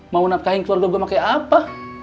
mau nak kahing keluarga gue pake apa